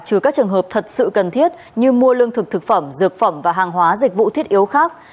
trừ các trường hợp thật sự cần thiết như mua lương thực thực phẩm dược phẩm và hàng hóa dịch vụ thiết yếu khác